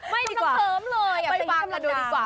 ไม่ต้องเสริมเลยไปฟังกันดูดีกว่า